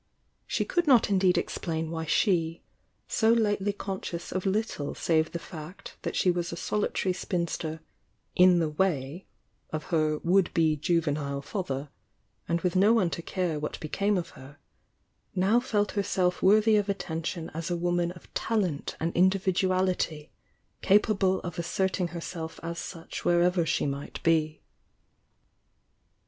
She could not indeed explain why she, so lately conscious of little save the fact that she was a soli tary spinster "in the way" of her would be juvenile father, and with no one to care what became of her, now felt herself worthy of attention js a woman of talent and individuality, capable of asserting her self as such wherever she might be.